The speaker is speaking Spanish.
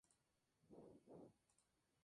Muchos de ellos murieron en el bombardeo.